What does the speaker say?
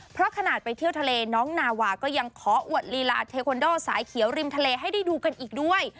เพราะขนาดไปเที่ยวทะเลน้องนาวาก็ยังขออวดลีลาเทควันโดสายเขียวริมทะเลให้ได้ดูกันอีกด้วย